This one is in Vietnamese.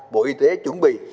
bộ y tế chuẩn bị